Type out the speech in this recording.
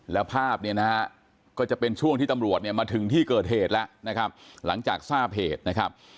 และภาพก็จะเป็นช่วงที่ตำรวจมาถึงที่เกิดเหตุและหลังจากทราบเหตุนะครับ